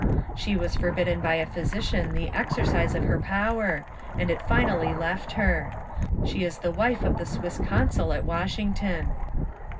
She was forbidden by a physician the exercise of her power, and it finally left her. She is the wife of the Swiss consul at Wash ington.